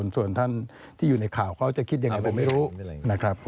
ส่วนท่านที่อยู่ในข่าวเขาจะคิดยังไงผมไม่รู้นะครับ